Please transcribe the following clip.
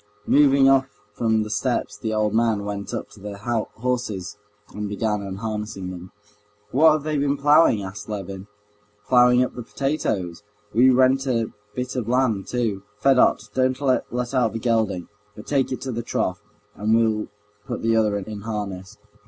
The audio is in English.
Moving off from the steps, the old man went up to the horses and began unharnessing them. "What have they been ploughing?" asked Levin. "Ploughing up the potatoes. We rent a bit of land too. Fedot, don't let out the gelding, but take it to the trough, and we'll put the other in harness."